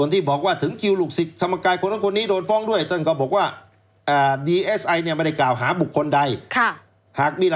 ถ้าใครพูดไม่มีหลักฐานว่าอันนั้นผลกลับก็ได้นะ